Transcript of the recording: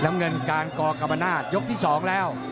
น้ำเงินการกกรรมนาศยกที่๒แล้ว